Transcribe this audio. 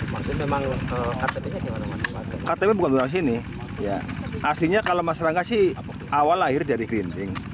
masih memang kalau ktp nya gimana mas katanya bukan berhasil nih ya aslinya kalau mas rangga sih awal lahir dari kerinting